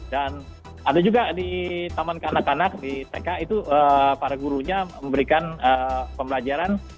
dan ada juga di taman kanak kanak di tk itu para gurunya memberikan pembelajaran